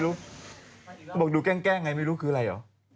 อุ๊ยมึงเหมือนกัน